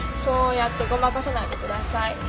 そうやってごまかさないでください。